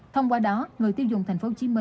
thông qua đó người tiêu dùng tp hcm